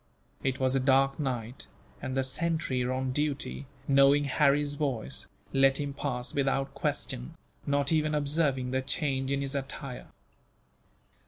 It was a dark night, and the sentry on duty, knowing Harry's voice, let him pass without question, not even observing the change in his attire.